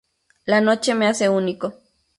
La noche me hace único.